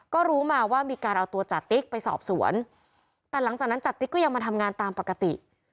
ก็รู้มาว่ามีการเอาตัวจติ๊กไปสอบสวนแต่หลังจากนั้นจติ๊กก็ยังมาทำงานตามปกติ